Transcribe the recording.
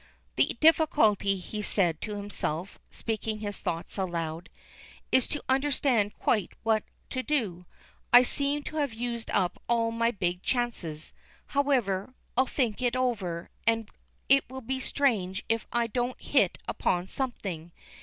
"The difficulty," he said to himself, speaking his thoughts aloud, "is to understand quite what to do. I seem to have used up all my big chances. However, I'll think it over, and it will be strange if I don't hit upon something.